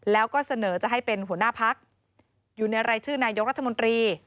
แล้วก็เสนอจะให้เป็นหัวหน้าพักอยู่ในรายชื่อนายกรัฐมนตรี